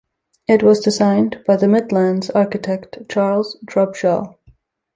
It was designed by the Midland's architect Charles Trubshaw.